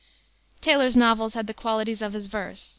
Taylor's novels had the qualities of his verse.